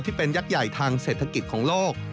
ที่เป็นยักษ์ใหญ่ทางเศรษฐกิจของโลก